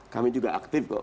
kami juga aktif kok